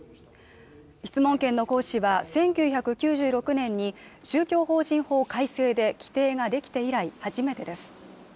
質問権の行使は１９９６年に宗教法人法改正で規定が出来て以来初めてです